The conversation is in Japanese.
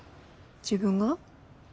自分が？